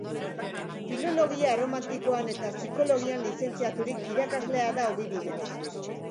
Filologia erromanikoan eta psikologian lizentziaturik, irakaslea da ogibidez.